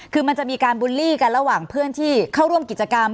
คือมันจะมีการบูลลี่กันระหว่างเพื่อนที่เข้าร่วมกิจกรรม